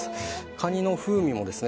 カニの風味もですね